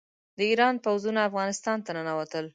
د ایران پوځونه افغانستان ته ننوتل.